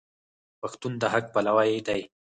پښتون د حق پلوی دی.